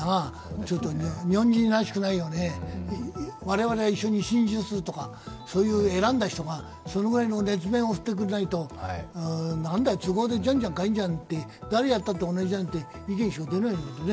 ちょっと日本人らしくないよね、我々、一緒に心中するとか、選んだ人がそのぐらいの熱弁を振るってくれないと、都合でじゃんじゃん代えるんじゃん、誰やったって同じじゃんという意見しか出ないよね。